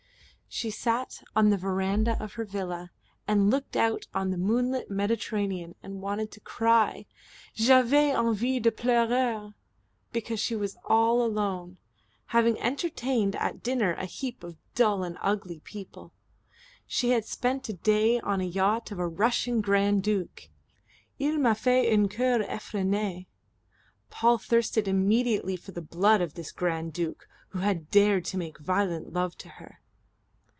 She sat on the veranda of her villa and looked out on the moonlit Mediterranean and wanted to cry "J'avais envie de Pleurer" because she was all alone, having entertained at dinner a heap of dull and ugly people. She had spent a day on the yacht of a Russian Grand Duke. "Il m'a fait une cour effrenee" Paul thirsted immediately for the blood of this Grand Duke, who had dared to make violent love to her.